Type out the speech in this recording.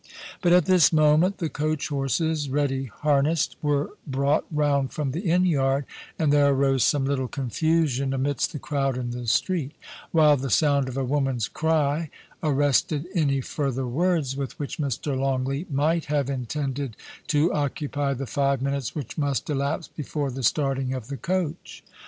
But at this moment the coach horses, ready harnessed, were brought round from the inn yard, and there arose some little confusion amidst the crowd in the street ; while the sound of a woman's cry arrested any further words with which Mr. Longleat might have intended to occupy the five minutes which must elapse before the starting of the coach.